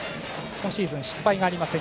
今シーズン失敗がありません。